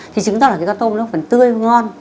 thì chúng ta là cái con tôm nó vẫn tươi và ngon